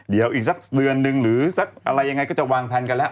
เดี๋ยวอีกสักเดือนนึงหรือสักอะไรยังไงก็จะวางแผนกันแล้ว